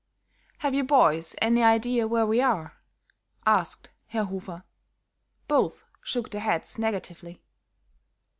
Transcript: "Have you boys any idea where we are?" asked Herr Hofer. Both shook their heads negatively.